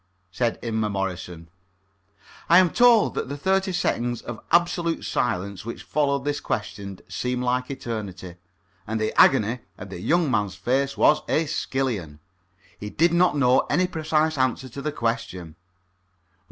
said Inmemorison. I am told that the thirty seconds of absolute silence which followed this question seemed like an eternity, and that the agony on the young man's face was Aeschylean. He did not know any precise answer to the question.